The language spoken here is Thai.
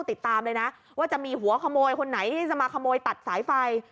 ติดตามเลยนะว่าจะมีหัวขโมยคนไหนที่จะมาขโมยตัดสายไฟ